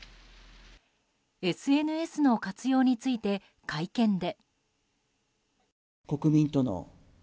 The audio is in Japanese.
ＳＮＳの活用について会見で。